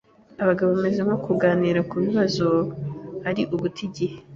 Abagabo bemeza ko kuganira ku bibazo ari uguta igihe.